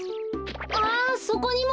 あそこにも！